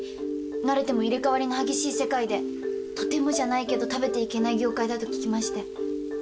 なれても入れ替わりの激しい世界でとてもじゃないけど食べていけない業界だと聞きまして。